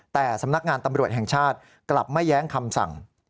แต่สำนักงานตำรวจแห่งชาติกลับไม่แย้งคำสั่ง